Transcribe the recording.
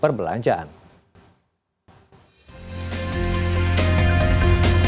pembelanjaan kota kasabelangka